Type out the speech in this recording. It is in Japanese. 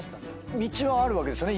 道はあるわけですよね？